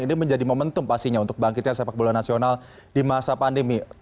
ini menjadi momentum pastinya untuk bangkitnya sepak bola nasional di masa pandemi